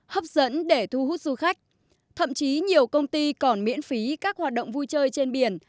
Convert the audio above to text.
hấp dẫn để thu hút du khách thậm chí nhiều công ty còn miễn phí các hoạt động vui chơi trên biển